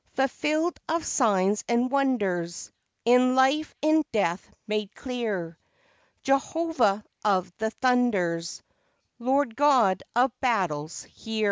Fulfilled of signs and wonders, In life, in death made clear Jehovah of the Thunders, Lord God of Battles, hear!